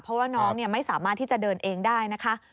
เพราะว่าน้องไม่สามารถที่จะเดินเองได้นะคะ